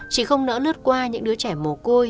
chị không nỡ lướt qua những đứa trẻ mổ côi